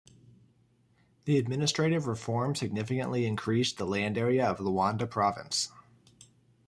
The administrative reform significantly increased the land area of Luanda Province.